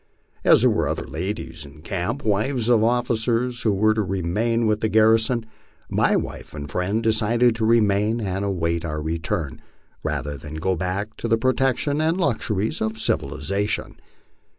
As there were other ladies in camp, wives of officers who were to remain with the garrison, my wife and friend decided to remain and await our return, rather than go back to the protection and luxuries of civilization.